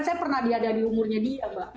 saya pernah diada di umurnya dia mbak